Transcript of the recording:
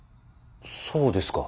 そうですか。